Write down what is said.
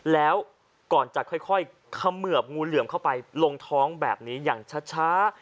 แล้วก่อนจะค่อยเขมือบงูเหลือมเข้าไปลงท้องแบบนี้อย่างช้า